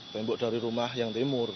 tembok dari rumah yang timur